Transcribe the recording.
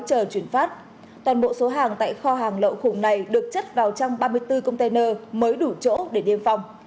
toàn bộ số hàng tại kho hàng lậu khủng này được chất vào trong ba mươi bốn container mới đủ chỗ để đem phòng